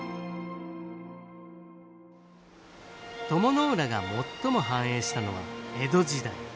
鞆の浦が最も繁栄したのは江戸時代。